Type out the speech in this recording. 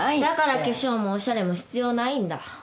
だから化粧もおしゃれも必要ないんだ？